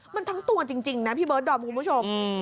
มันทั้งตัวจริงนะพี่เบิร์ดดอมคุณผู้ชม